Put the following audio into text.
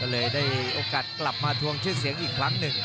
ก็เลยได้โอกาสกลับมาทวงชื่อเสียงอีกครั้งหนึ่ง